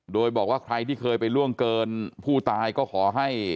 โดยบอกว่าใครที่เคยไปล่วงเกินผู้ตายก็ขอให้